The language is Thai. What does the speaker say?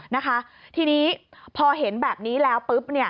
นะคะทีนี้พอเห็นแบบนี้แล้วปุ๊บเนี่ย